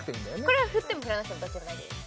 これは振っても振らなくてもどっちでも大丈夫です